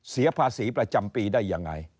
เสียภาษีประจำปีได้ยังไง